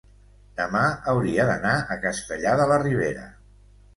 demà hauria d'anar a Castellar de la Ribera.